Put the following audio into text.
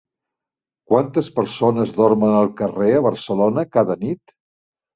Quantes persones dormen al carrer a Barcelona cada nit?